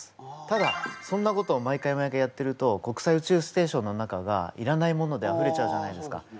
ただそんなことを毎回毎回やってると国際宇宙ステーションの中がいらないものであふれちゃうじゃないですか。